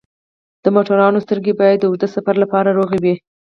د موټروان سترګې باید د اوږده سفر لپاره روغې وي.